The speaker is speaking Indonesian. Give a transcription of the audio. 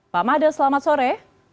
pak made selamat sore